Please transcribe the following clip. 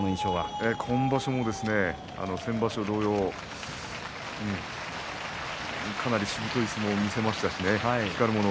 今場所も先場所同様かなりしぶとい相撲を見せました。